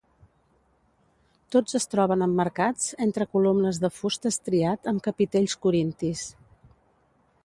Tots es troben emmarcats entre columnes de fust estriat amb capitells corintis.